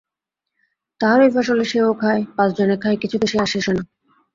তাহারই ফসলে সেও খায়, পাঁচজনে খায়, কিছুতে সে আর শেষ হয় না।